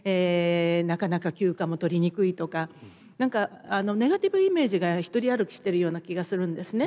なかなか休暇も取りにくいとか何かネガティブイメージが独り歩きしているような気がするんですね。